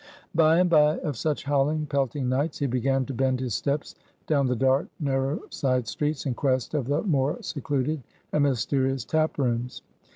By and by, of such howling, pelting nights, he began to bend his steps down the dark, narrow side streets, in quest of the more secluded and mysterious tap rooms.